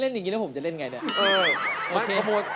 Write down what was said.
เล่นอย่างงี้แล้วผมจะเล่นยังไงเนี่ย